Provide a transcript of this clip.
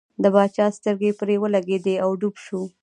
د باچا سترګې پر ولګېدې او ډوب شو.